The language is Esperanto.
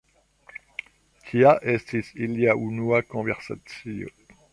Tia estis ilia unua konversacio.